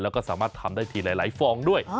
แล้วก็สามารถทำได้ทีหลายฟองด้วย